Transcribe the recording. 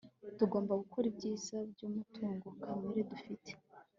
tugomba gukora ibyiza byumutungo kamere dufite